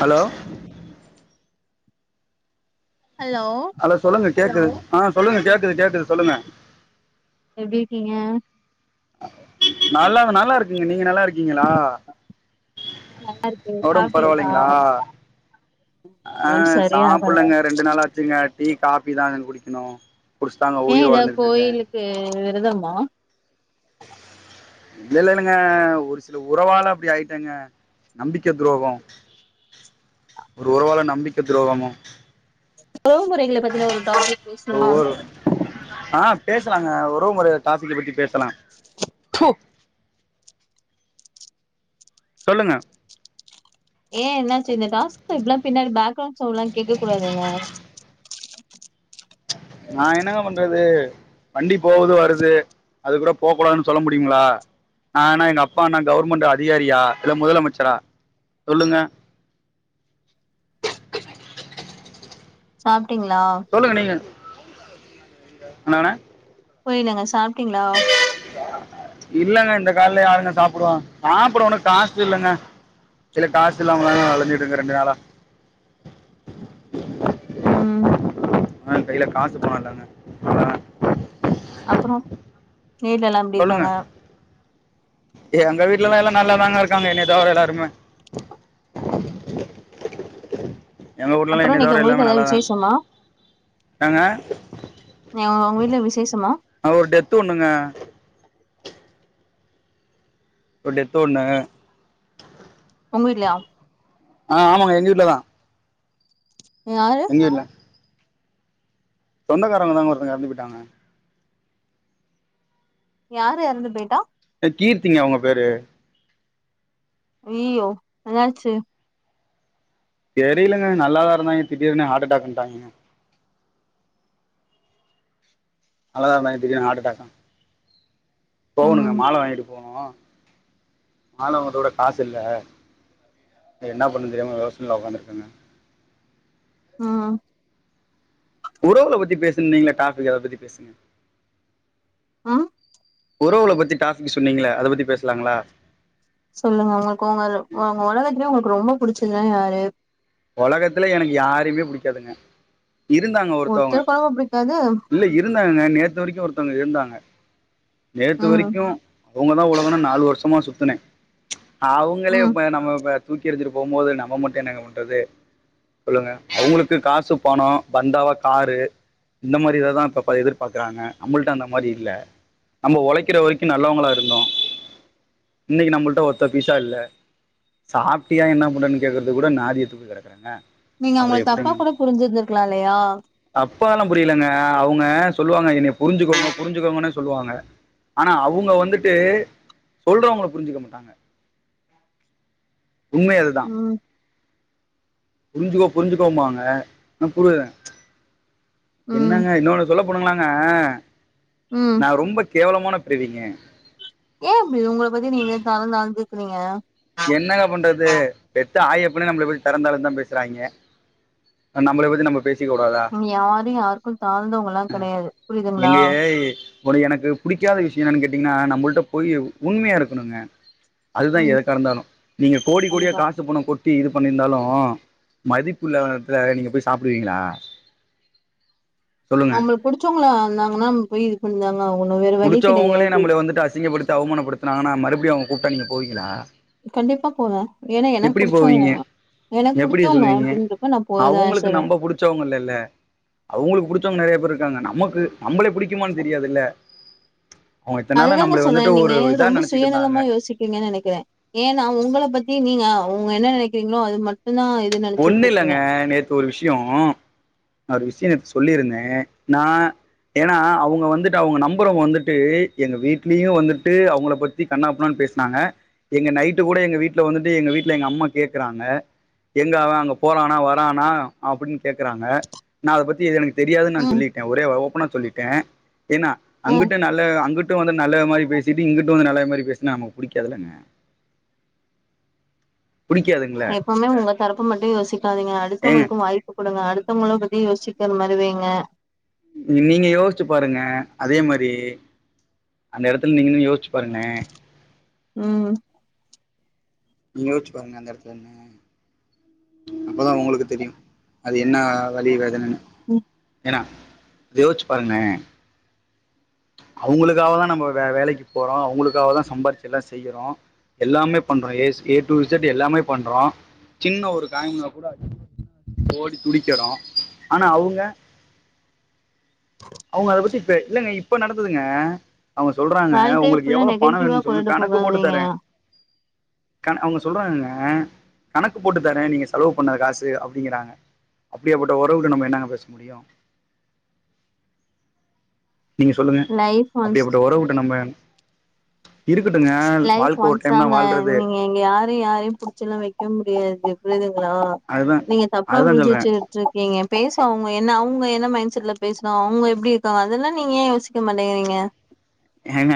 hello hello hello சொல்லுங்க கேக்குது ஆ சொல்லுங்க கேக்குது கேடக்குது சொல்லுங்க எப்டி இருக்கீங்க நல்லாவ நல்லா இருக்குங்க நீங்க நல்லா இருக்கீங்களா நல்லா இருக்கு உடம்பு சாப்ட்டீங்களா பரவாயில்லைங்களா அ ஒடம்பு சரியாகல சாப்புல்லங்க ரெண்டு நாளாச்சுங்க டீ காபி தாங்க குடிக்கணும் குடிச்சு தாங்க உயிர் வாழ்ந்துட்டு இருக்கன் க்கு விரதமா இல்லல்ல இல்லங்க ஒரு சில உறவால அப்படி ஆயிட்டேங்க நம்பிக்க துரோகம் ஒரு உறவால நம்பிக்க துரோகமும் உறவு முறைகளை பத்தின்னா நம்ம ஒரு டாபிக் பேசுவோம ஒரு ஆ பேசலாங்க உறவு முறை டாபிக்கு பத்தி பேசலாம் சொல்லுங்க ஏன் என்னாச்சு இந்த டாஸ்க் இப்டி எல்லாம் பின்னாடி பேக்ரவுண்ட் சவுன்ட்லா கேட்க கூடாதுங்க நான் என்னங்க பண்றது வண்டி போவது வருது அது கூட போக்கூடாதுன்னனு சொல்ல முடியுங்களா நா என்ன எங்க அப்பா என்ன கவர்மெண்ட் அதிகாரியா இல்ல முதலமைச்சரா சொல்லுங்க சாப்ட்டீங்களா சொல்லுங்க நீங்க [unintelligible] புரியலங்க சாப்ட்டீங்களா இல்லங்க இந்த காலல யாருங்க சாப்புடுவா சாப்ட ஒன்னு காசு இல்லங்க இல்ல காசு இல்லாம அழஞ்சட்டு இருக்க ரெண்டு நாளா உம் ஆ கையில காசு போனலாங்க அப்புறம் வீட எல்லா எப்டி சொல்லுங்க இருக்காங்க எங்க வீட்டுலல்லாம் எல்லாம் நல்லாதாங்க இருக்காங்க என்னைய தவிர எல்லாருமே எங்க ஊர்லலா அப்புறம் என்னைய நீங்க தவிர உங்களுக்கு எல்லாமே ஏதாவது நல்லாதாங்க விசேஷமா ஏங்க அ உங்க வீட்ல விசேஷமா ஒரு டெத்து ஒண்ணுங்க ஒரு டெத்து ஒண்ணு உங்க வீட்லியா ஆ ஆமாங்க எங்க வீட்லதா யாரு இல்ல சொந்தக்காரவங்கதாங்க ஒருத்தங்க எற்ந்து போய்ட்டாங்க யாரு எறந்து போயிட்டா கீர்த்திங்க அவுங்க பேரு ஐயியோ என்னாச்சி தெரியிலங்க நல்லாதா இருந்தாங்க திடீர்னு ஹாட் அட்டாக்குன்டாங்க நல்லாதா இருந்தாங்க திடீர்னு ஹாட்டடாக்கா போகணுங்க ம் மால வாங்கிட்டு போகணு மால வாங்குத்துக்கூட காசு இல்ல என்ன பண்றது தெரியாம யோசனைல உக்காந்துட்ருக்கே மேம் ம் உறவுகல பத்தி பேசுனீங்ளே டாபிக்கு அத பத்தி பேசுங்க அ உறவுகள பத்தி டாபிக்கு சொன்னீங்களே அத பத்தி பேசலாங்களா சொல்லுங்க உங்களுக்கு உங்கள உங்க உலகத்துலியே உங்களுக்கு ரொம்ப புடிச்சதுனா யாரு ஒலகத்துலே எனக்கு யாருமே புடிக்காதுங்க இருந்தாங்க ஒருத்தவங்க ஒருத்தர் கூடவா புடிக்காது இல்ல இரு இருந்தாங்கங்க நேத்து வரிக்கு ஒருத்தவங்க இருந்தாங்க நேத்து ம் வரிக்கு அவுங்க தா உலகோனு நாலு வருஷமா சுத்துனே அவுங்களே ம் இப்ப நம்ம இப்ப தூக்கி எறிஞ்சிட்டு போம்மோது நம்ம மட்டு என்னங்க பண்றது சொல்லுங்க அவுங்களுக்கு காசு பணோ பந்தாவா காரு இந்த மாரி இததா அப்பப்ப எதிர்பாக்குறாங்க நம்மள்ட்ட அந்த மாரி இல்ல நம்ம ஒழைக்கிற வரிக்கு நல்லவங்களா இருந்தோ இன்னைக்கு நம்மள்ட்ட ஒத்த பைசா இல்ல சாப்டியா என்ன பண்றேனு கேக்கறதுக் கூட நாதிய த்துவு கெடக்குறங்க நீங்க அவுங்கள தப்பா கூட புரிஞ்சி இருந்திருக்லா இல்லையா தப்பால்லா புரியலங்க அவுங்க சொல்லுவாங்க என்னைய புரிஞ்சுக்கோங்க புரிஞ்சுக்கோங்கன்னு சொல்லுவாங்க ஆனா அவுங்க வந்துட்டு சொல்றவங்கள புரிஞ்சிக்க மாட்டாங்க உண்மை அதுதா ம் புரிஞ்சுக்கோ புரிஞ்சுக்கோம்பாங்க ஆன புரில ம் என்னங்க இன்னொன்னு சொல்லப் போனுங்களாங்க ம் நா ரொம்ப கேவலமான பிரிவீங்க ஏ அப்டி உங்கள பத்தி நீங்களே தரந் தாழ்ந்துக்கிறீங்க என்னங்க பண்றது பெத்த ஆயி அப்பனே நம்மள பத்தி தரந்தளர்ந்த்தா பேசுறாய்ங்க அ நம்மபள பத்த நம்ம பேசி யாரு யாருக்கு தாழ்ந்தவங்கல்லா கடையாது புரிதுங்ளா [unintelligible] இப்பொனு எனக்கு புடிக்காத விஷியு என்னன்னு கேட்டீங்கின்னா நம்முள்ட்ட பொய் உண்மையா இருக்கணுங்க அதுதா ம் எ தடந்தானோ நீங்க கோடி கோடிய கண்டிப்பா கா சு பணோ கொட்டி இது பண்ணி இருந்தாலு மதிப்பில்லா எட்த்துல நீங்க போய் சாப்பிடுவீங்களா நம்மள புடிச்சோங்களா இந்தாங்கன்னா நம்ம போய் இது பண் தாங்க ஆகணு வே புடிச்சவங்களே நம்மள வந்துட்டு அசிங்கப்படுத்தி அவமானப்படுத்துனாங்கன்னா மறுபடியு அவங்க கூப்ட்டா நீங்க போவீங்களா கண்டிப்பா போவே ஏன்னா எனக்கு எப்டி புடிச்சவங்க போவீங்க அவங்க எனக்கு எப்டி புடிச்சவங்க சொல்லுவீங்க அப்டிங்கறப்ப நா போய்தா அவங்களுக்கு ஏசுவே நம்ம புடிச்சவங்க இல்லல்ல அவங்களுக்கு புடிச்சவங்க நெறய பேர் இருக்காங்க நமக்கு நம்மள பிடிக்குமான் தெரியாதுல்ல அவங்க இத்தன் அது நாளா தாங்க நம்மள சொல்ற வந்துட்டு ஒரு நீங்க இதா ரொம்ப நெனச்சிட்டு சுய இருந்தாங்க நலமா யோசிக்கிறீங்கனு நெனைக்கிறே ஏன்னா உங்கள பத்தி நீங்க உங்க என்ன நினைக்கிறீங்களோ அது மட்டும்தா இ ஒன்னு இல்லங்க நேத்து ஒரு விஷய நா ஒரு விஷய நேத்து சொல்லிருந்தே நா ஏன்னா அவங்க வந்துட்டு அவங்க நம்பற வந்துட்டு எங்க வீட்லயு வந்துட்டு அவங்கள பத் தி கண்ணா பின்னான் பேசினாங்க எங்க நைட்டு கூட எங்க வீட்ல வந்துட்டு எங்க வீட்ல எங்க அம்மா கேக்குறாங்க எங்க அவன் அங்க போறானா வரானா அப்படின் கேக்குறாங்க நா அத பத்தி எனக்கு தெரியாதுன் நா ம் சொல்லி ஒரே ஓப்பனா சொல்லிட்ட ஏன்னா ம் அங்குட்டு நல்ல அங்குட்டு வந்து நல்லவ மாரி பேசிட்டு இங்கிட்டு வந்து நல்ல மாரி பேசுனா நமக்கு புடிக்காதுலங்க புடிக்காதுங்கள எப்பவுமே உங்க தரப்ப மட்டு யோசிக்காதீங்க ஏங்க அடுத்தவங்களுக்கு வாய்ப்பு குடுங்க அடுத்தவங்கள பத்தி யோசிக்காத மாரி வைங்க நீங்க யோசிச்சு பாருங்க அதே மாரி அந்த இடத்துல நீங்க நின்னு யோசிச்சு பாருங்க ம் நீங்க யோசிச்சு பாருங்க அந்த இடத்துல நின்னு அப்பதா உங்களுக்கு தெரியு அது என்னா வலி வேதனனு ம் எனா யோசிச்சு பாருங்க அவங்களுக்காகதா நம்ம வே வேலைக்கு போறோ அவங்களுக்காகதா சம்பாரிச்சு எல்லா செய்யறோ எல்லாமே பண்றோ ஏ ஸ் ஏ டு இசட் எல்லாமே பண்றோ சின்ன ஒரு காயம்னா கூட ஓடி துடிக்கிறோ ஆனா அவ்ங்க அவங்க அத பத்தி இப்ப இல்லங்க இப்ப நடந்துதுங்க அவங்க சொல்றாங்க வாழ்க்கைய உங்களுக்கு ஃபுல்லா எவ்ளோ பண நெகட்டிவா வேணுன் சொல்லுங்க கொண்டுட்டு கணக்கு போட்டு போகாதீங்க தரே அவங்க சொல்றாங்கங்க கணக்கு போட்டு தரே நீங்க செலவு பண்ண காசு அப்டிங்றாங்க அப்டியாப்பட்ட உறவுக்கு நம்ம என்னாங்க பேச முடியு நீங்க சொல்லுங்க லைஃப் ஒன்ஸ் அப்டியாப்பட்ட உறவுகிட்ட நம்ப லைஃப் ஒன்ஸ் தான் தாங்க வாழ்றது நீங்க இங்க யாரு யாரையு புடிச்சுல்லா வக்க முடியாது புரிதுங்ளா அதுதா நீங்க தப்பா அதுதா புரிஞ்சு சொல்றே வச்சு ச்சுருக்கீங்க பேச அவங்க என்ன அவங்க என்ன மைண்ட் செட்ல பேசுறோ அவங்க எப்டி இருக்காங்க அதெல்லா நீங்க ஏ யோசிக்க மாட்டேங்றீங்க ஏங்க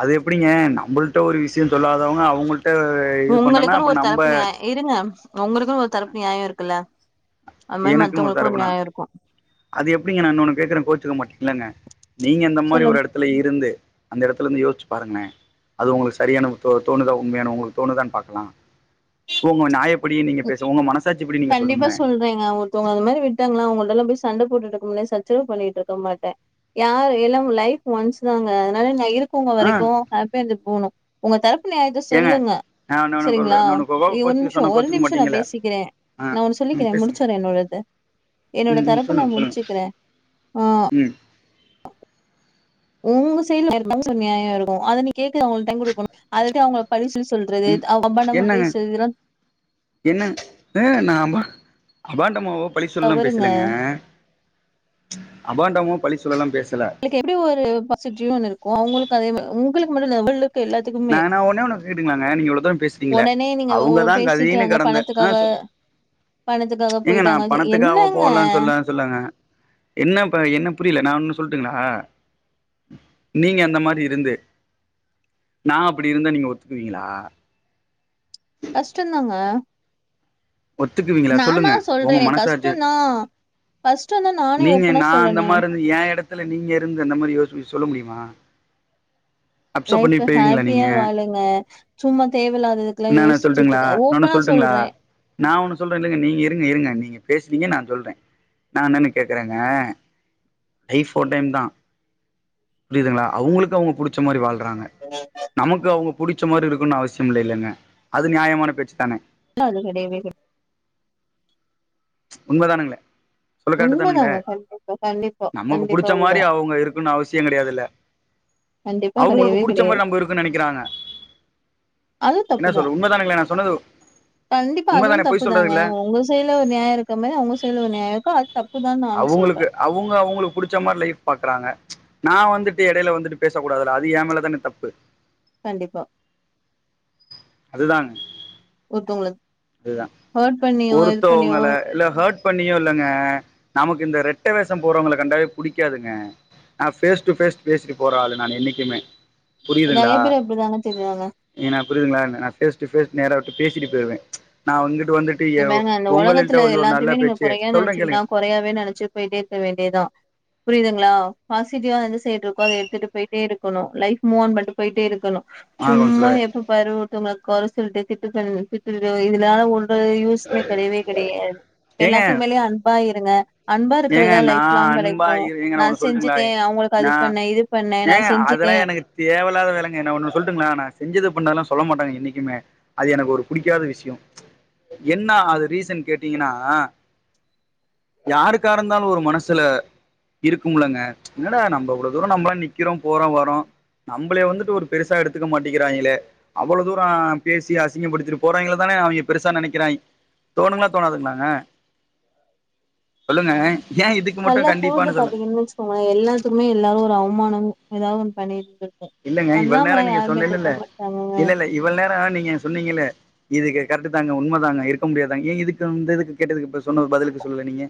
அது எப்டிங்க நம்மள் ட்ட ஒரு விஷய சொல்லாதவங்க அவங்கள்ட்ட இது பண்றேன்னா உங்களுக்குன்னு அப்ப ஒரு நம்ப தரப்பு நியாய இருங்க உங்களுக்குன் ஒரு தரப்பு நியாய இருக்குல்ல அது மாரி எனக்குன் ஒரு மத்தவங்களுக்கு தரப்புனா நியாய இருக்கு அது எப்டிங்க நா இன்னொன்னு கேக்ற கோச்சுக்க மாட்டிங்கல்லங்க நீங்க இந்த மாரி ஒரு சொல்லுங்க இடத் ல இருந்து அந்த இடத்துல இருந்து யோசிச்சு பாருங்களே அது உங்களுக்கு சரியான தோணுதா உண்மையான உங்களுக்கு தோணுதான் பாக்கலா உங்க நியாய இப்டி நீங்க பேச உங்க மனசாச்சிப்படி நீங்க சொல்லுங்களே ங்க ஒருத்தங்க அது மாரி விட்டாங்களா அவங்கள்டல்லா போய் சண்ட போட்டுட்ருக்க முடியாது சச்சரவு பண்ணிட்ருக்க மாட்ட யார் எல்லா லைஃப் ஒன்ஸ் தாங்க அதனால நா இருக் உங்க ஆ வரைக்கு ஹாப்பியா இருந்துட் போனு உங்க தரப்பு நியாத்த ஏங்க சொல்லுங்க ஆ இன்னொன்னு சொல்றே சரிங்ளா இன்னொன்னு கோ ஒரு கோச்சுக்க நிமிஷ சொன்னா ஒரு கோச்சுக்க நிமிஷ ங்க நா மாட்டீங்களே பேசிக்கிறே ஆ நா ஒன்னு ம் சொல்லிக்கிறே பேசுங்க முடிச்சறே என்னோடத என்னோட ம் ம் தரப்பு நா சொல்லுங்க சொல்லுங்க முடிச்சுக்கிறே ஆ ம் உங்க செய்யல [unintelligible] இருக்கு அது நீ கேக்குதா அவங்க டைம் கொடுணு அது எப்டி அவுங்கள படிஷ்சி சொல்றது ம் அபாடம்மா பேசுறதுல்லா என்னங் ந அபா அபாண்டமாவோ பழி சொல்லீல்லா தவறுங்க பேசலங்க அபாண்டமோ பழி சொல்லீல்லா பேசல க்கு எப்டி ஒரு பாசிட்டிவனு இருக்கு அவங்களுக்கு அதே மாறி உங்களுக்கு மட்டுல்ல அவளுக்கு எல்லாத் நானா ஒன்னே ஒன்னு கேட்டுக்கலாங்க நீங்க இவ்ளோத்தூரோ பேசுரிங்ள ஒடனே நீங்க ஒ- அவங்கதா கதின்னு பேசிட்டாங்க கெடந்தே ஆ பணத்துக்காக பணத்துக்காக ஏங்க நா போயிட்டாங்க சரி, பணத்துக்காவோ என்னங்க போலா சொல்ல சொல்லுங்க என்ன இப்ப என்ன புரில நா ஒன்னு சொல்ட்டுங்ளா நீங்க அந்த மாரி இருந்து நான் அப்டி இருந்தா நீங்க ஒத்துக்குவீங்ளா கஷ்டோ தாங்க ஒத்துக்குவீங்ளா சொல்லுங்க உங்க மனசாட்சி கஷ்டோதா நானே நீங்க ஓப்பனா நா அந்த சொல்றனே மாரி இருந்து ஏ இடத்துல நீங்க இருந்து அந்த மாரி யோசி சொல்ல முடியுமா அப்செட் பண்ணி லைஃப்ப போய்வீங்களா நீங்க ஹாப்பியா வாளுங்க சும்மா தேவையில்லாததுக்கல்லா நானு யோஸ்ச்சி சொல்ட்டுங்களா ச்சிட்டுக்க இன்னொன்னு ஓப்பனா சொல்ட்டுங்களா சொல்றே நா ஒண்ணு சொல்றே இல்லங்க நீங்க இருங்க இருங்க நீங்க பேசுனிங்க நா சொல்றே நா என்னன்னு கேக்குறேங்க லைஃப் ஒரு டைம் தா புரியுதுங்ளா அவுங்களுக்கு அவுங்க புடிச்ச மாரி வாழ்றாங்க நமக்கு அவுங்க புடிச்ச மாரி இருக்கனு அவசியம் இல்லைலங்க அது நியாயமான பேச்சு தான இல்ல அது கெடையவே கெடை உண்மைதானுங்க சொல்லக்கரட்டு தானுங்ளே உண்மதாங்க கண்டிப்பா கண்டிப்பா நமக்கு கண்டிப்பா புடிச்ச மாரி உண்மதா அவுங்க இருக் க்னு அவசியோ கெடையாதுல கண்டிப்பா அவங்களுக்கு கெடையவே புடிச்ச கெடையாது மாரி நம்ப இருக்க நெனைக்கிறாங்க அது என்ன தப்புதா சொல்லு உண்மதானேங்ளே நா சொன்னது கண்டிப்பா அதுவு உண்மதான பொய் தப்புதாங்க சொல்றதுல்ல உங்க செய்டுல ஒரு நியாயோ இருக்கற மாரி அவங்க செய்டுல ஒரு நியாயோ இருக்கு தப்புதான அவுங்களுக்கு அவுங்க அவுங்களுக்கு புடிச்ச மாரி லைஃப் பாக்குறாங்க நா வந்துட்டு எடைல வந்துட்டு பேச கூடாதுல்ல அது ஏ மேல தான தப்பு கண்டிப்பா அதுதாங்க ஒருத்தவங்கள அதுதா ஹர்ட் பண்ணியோ இது பண்ணியோ ஒருத்தவங்கல இல்ல ஹட் பண்ணியு இல்லங்க நமக்கு இந்த ரெட்டை வேஷோ போறவங்கள கண்டாவே புடிக்காதுங்க நா பேஸ் டு பேஸ் பேசிட்டு போறாளு நானு என்னைக்குமே புரியுதுங்ளா நெறைய பேர் அப்டிதாங்க திரியுறாங்க ஏனா புரியுதுங்ளா என்ன நா பேஸ் டு பேஸ் நேர வுட்டு பேசிட்டு போய்டுவே நா இங்குட்டு வந்துட் ஏ டீயோ மேல இந்த உங்கலில்ட்ட உலகத்துல வந்து ஒரு நல்ல எல்லாத்தையுமே நீங்க பேச்சு கொறையா சொல்றே கேளுங்க நெனச்சீங்கன்னா கொறையாவே நெனச்சி போயிட்டேருக்க வேண்டியதா புரியுதுங்களா பாசிட்டிவா எந்த சைடு இருக்கோ அத எடுத்துட்டு போய்ட்டே இருக்கணு லைஃப் மூவான் பண்ணி போய்ட்டே இருக்கணு ஆ சும்மா கவுன்சிலரே எப்ப பாரு ஒருத்தவங்கள கொற சொல்ட்டே திட்டு பன்னி திட்டிட்டோ இதுலால ஒரு யூ யூஸ்மே கெடையவே கெடையாது ஏங்க எல்லாத்துக்கு மேலயு அன்பா இருங்க ஏங்க அன்பாருக்கறதா நா லைஃப் லாங் அன்பா கெடைக்கு இரு ஏங்க நா ஒன்னு சொல்ட்டுங்களா செஞ்சுட்டே அவங்களுக்கு அது நா பண்ணே இது பண்ணே நா செஞ்சுட்டே தேவலாத வேலங்க என்ன நா ஒண்ணு சொல்ட்டுங்ளா நா செஞ்சது பண்ணதல்லா சொல்ல மாட்டாங்க என்னைக்குமே அது எனக்கு ஒரு புடிக்காத விஷ்யம் என்ன அது ரீசன் கேட்டிங்கன்னா யாருக்காருந்தாலு ஒரு மனசுல இருக்கும்லங்க என்ன டா நம்போ இவ்ளோ தூரோ நம்ளு நிக்கிறோ போறோ வரோ நம்ளே வந்துட்டு ஒரு பெருசா எடுத்துக்க மாட்டிக்கிறாங்களே அவ்ள தூரோ பேசி அசிங்கப்படுத்திட்டு போறவங்கள தானே அவங்க பெருசா நெனைக்கிறா தோணுங்ளா தோணாதுங்ளாங்க சொல்லுங்க ஏன் இதுக் நல்லா கூர்ந்து பாத்திங்கன் வச்சுக்கோங்களே எல்லாத்துக்குமே எல்லாது ஒரு அவ்மானம் எதாது ஒன்னு இல்லங்க பண்ணிட் பண்ணாமலா யாருமே இருந்துருக்க மாட்டாங்கங்க இவள் நேரோ நீங்க சொன்னிகளே இதுக்கு கரெட்டு தாங்க உண்ம தாங்க இருக்க முடியாதாங்க ஏன் இதுக்கு இந்த இதுக்கு கேட்டதுக்கு இப்ப சொன்ன பதிலுக்கு சொல்லுல நீங்க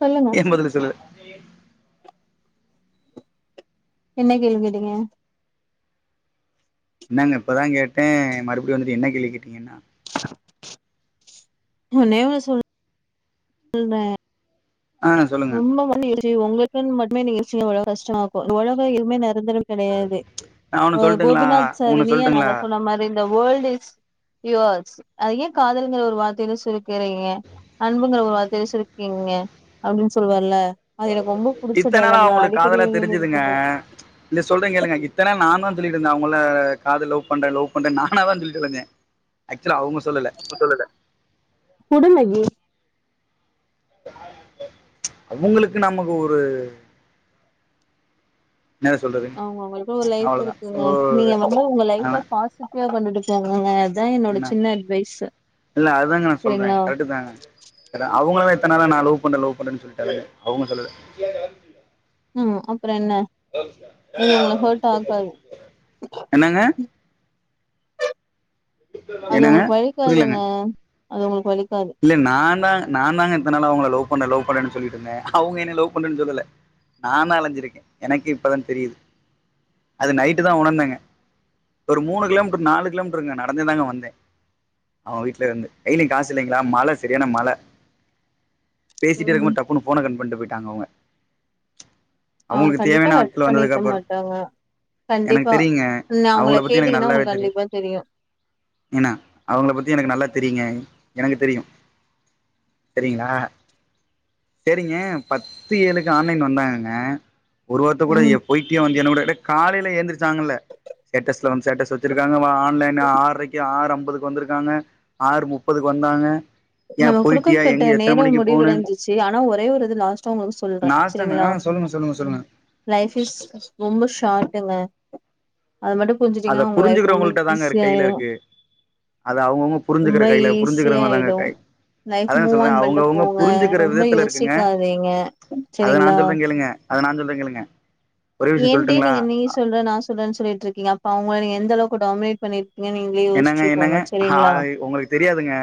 சொல்லுங்க என் பதில சொல்ல என்ன கேள்வி கேட்டிங்க என்னங்க இப்பதா கேட்டே மறுபடியு வந்துட்டு என்ன கேள்வி கேட்டிங்கன்னா ஒங்க நேம சொல் ல்ற ஆ சொல்லுங்க ரொம்ப வந்து [inaudible] உங்களுக்குன்னு மட்டுமே யோசிச்சிங்கனா ரொம்ப கஷ்டமாருக்கு இந்த உலகோ எதுமே நெரந்தர கெடையாது நா ஒன்னு அ சொல்ட்டுங்களா கோபிநாத் சார் ஒன்னு நீயா சொல்ட்டுங்களா நானால சொன்ன மாரி இந்த வேல்ட் ஸ் யுவர்ஸ் அது ஏ காதலுங்குற ஒரு வார்த்தைல சுருக்குறிங்க அன்புங்ற ஒரு வார்த்தைல சுருக்குறிங்க அப்டின் சொல்வார்ல இத்த நாளா அவுங்குளுக்கு காதல இது தெரிஞ்சுதுங்க பண்ணுவே இல்லே சொல்றே கேளுங்க இத்தநா நா தா சொல்லிட்ருந்தே அவுங்கள காது லவ் பண்றே லவ் பண்றன் நானா தா சொல்லிட்டுருந்தே ஆக்சுலா அவங்க சொல்லல குடு மகி அவுங்களுக்கு நமக்கு ஒரு என்ன சொல்றது அவுங்கவுங்களுக்குன் ஒரு லைஃப் இருக்குங்க நீங்க வந்து உங்க லைஃப ஆனா பாசிட்டிவா கொண்டுட்டு போங்கங்க இதா என்னோட என்ன சின்ன அட்வைஸ்சு சரிங்ளா இதாங்க [inaudible] அவுங்களு எத்த நாளா நா லவ் பண்றே லவ் பண்றே சொல்லிட்டு அலையிற அவுங்க சொல்லல ம் அப்றோ என்ன இது உங்கள ஹேட் ஆக்காது என்னங்க அது என்னங்க உங்குளுக்கு புரியலங்க வலிக்காதுங்க அது உங்குளுக்கு வலிக்காது இல்ல நா தா நா தாங்க இத்த நாளா அவுங்கள லவ் பண்றே லவ் பண்றேன்னு சொல்லிட்ருந்தே அவுங்க என்னைய லவ் பண்றேன்னு சொல்லல நா தா அலைஞ்சிருக்கே எனக்கே இப்பதா தெரியுது அது நைட்டு தா உணர்ந்தேங்க ஒரு மூணு கிலோமீட்ரு நாலு கிலோமீட்ருங்க நடந்தே தாங்க வந்தே அவங்க வீட்ல இருந்து கைல காஸ் இல்லைங்களா மழ சரியான மழ பேசிட்டே ம் இருக்கும்போது டப் புன்னு ஃபோன கட் பண்ட்டு போயிட்டாங்க அவங்க அவங்க அவுங்குளுக்கு கண்டிப்பா தேவையான கட் ஆட்கள் வந்ததுக்கு பண்ணிருக்க அப்றோ மாட்டாங்க எனக்கு கண்டிப்பா தெரியுங்க நா அவங்கள பத்தி எனக்கு கேட்டீங்கன்னா நல்லாவே உங்களுக்கு தெரியு கண்டிப்பா ஏனா அவங்கள பத்தி எனக்கு நல்லா தெரியுங்க எனக்கு தெரியு சரிங்ளா சேரிங்க பத்து ஏழுக்கு ஆன்லைன் வந்தாங்கங்க ஒரு வார்த்த கூட ம் எ பேய்ட்டியா வந்தியான் கூட எட காலைல எந்திரிச்சாங்கல்ல ஸ்டேட்டஸ்ல வந்து ஸ்டேட்டஸ் வச்சிருக்காங்க வா ஆன்லைன் ஆர்றைக்கு ஆறம்பதுக்கு வந்துருக்காங்க ஆறு முப் போதுக்கு வந்தாங்க ஏன் நம்ம போயிட்டியா குடுக்கப்பட்ட எங்க எத்தன நேரம் மணிக்கு போன முடிவுடைஞ்சிச்சு ஆனா ஒரே ஒரு இது லாஸ்ட்டா உங்கள் சொல் நாஸ்டான ஆ சொல்லுங்க சொல்லுங்க சொல்லுங்க லைஃப் இஸ் கஸ் ரொம்ப ஷார்டுங்க அது மடுப் அத புரிஞ்சுக்கிறவங்கள்ட்ட தாங்க இர் கைய்ல இருக்கு அது அவங்கவுங்கு ரொம்ப புரிஞ்சுக்கிற கைய்ல ஈஸியா புரிஞ்சுக்கிறவ தாங்க ஆயிடு கை லைஃப் அதேன மூவ் சொல்றே ஆன் பண்ட்டு அவங்கவுங்க போங்க புரிஞ்சுக்கிற ரொம்ப விதத்துல இருக்குங்க யோசிக்காதீங்க அத நா சரிங்களா ஜொல்றே கே கிலுங்க அத நா சொல்றே கேலுங்க ஏன்ட்டே நீங்க நீ சொல்ற நா சொல்றன் சொல்லிட்ருக்கீங்க அப்ப அவ்ங்கள நீங்க எந்தளவுக்கு டாமினேட் பண்ணிர் நீ நீங்ளே என்னங்க யோசிச்சு போங்க என்னங்க ஆ ச்சரிங்ளா உங்களுக்கு தெரியாதுங்க